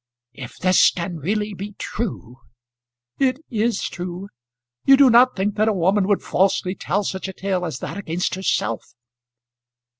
"If this can really be true " "It is true. You do not think that a woman would falsely tell such a tale as that against herself!"